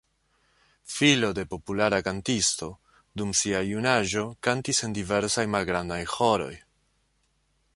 Filo de populara kantisto, dum sia junaĝo kantis en diversaj malgrandaj ĥoroj.